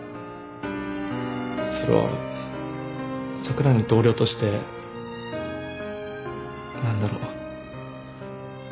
それは櫻井の同僚として何だろう。